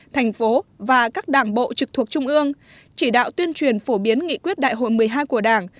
thành phố và các đảng bộ trực thuộc trung ương chỉ đạo tuyên truyền phổ biến nghị quyết đại hội một mươi hai của đảng